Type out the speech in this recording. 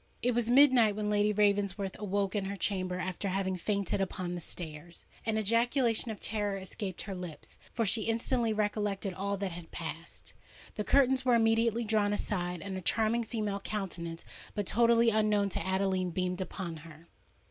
It was midnight when Lady Ravensworth awoke in her chamber, after having fainted upon the stairs. An ejaculation of terror escaped her lips—for she instantly recollected all that had passed. The curtains were immediately drawn aside; and a charming female countenance, but totally unknown to Adeline, beamed upon her.